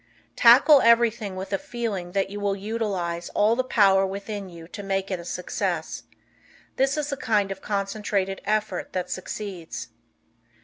Tackle everything with a feeling that you will utilize all the power within you to make it a success. This is the kind of concentrated effort that succeeds.